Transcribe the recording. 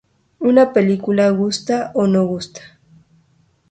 Una película gusta o no gusta.